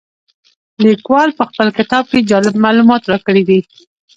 لیکوال په خپل کتاب کې جالب معلومات راکړي دي.